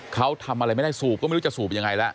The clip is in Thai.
เขาทำอะไรไม่ได้สูบก็ไม่รู้จะสูบยังไงแล้ว